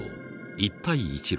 一帯一路。